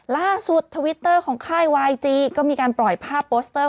ทวิตเตอร์ของค่ายวายจีก็มีการปล่อยภาพโปสเตอร์